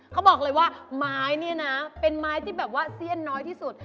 เขาบอกเลยว่าไม้เนี่ยนะเป็นไม้ที่แบบว่าเสี้ยนน้อยที่สุด